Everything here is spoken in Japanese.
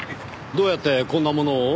どうやってこんなものを？